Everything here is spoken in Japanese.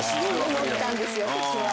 思ったんです私は。